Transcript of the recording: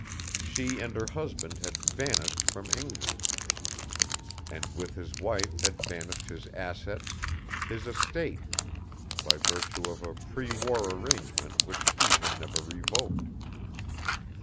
She and her husband had vanished from England. And with his wife had vanished his assets, his estate, by virtue of a pre war arrangement which he had never revoked.